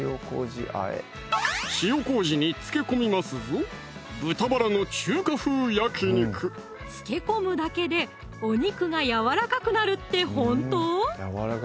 塩麹に漬け込みますぞ漬け込むだけでお肉がやわらかくなるってほんと？